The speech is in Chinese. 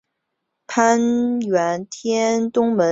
攀援天门冬是天门冬科天门冬属的植物。